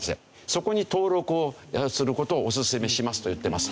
そこに登録をする事をおすすめしますと言ってます。